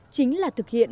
chính là thực hiện